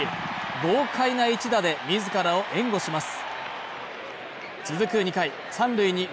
豪快な一打で自らを援護します。